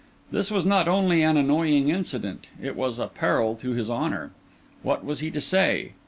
This was not only an annoying incident—it was a peril to his honour. What was he to say?